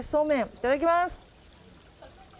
いただきます！